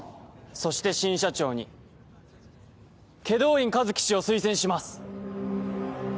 そして新社長に祁答院一輝氏を推薦します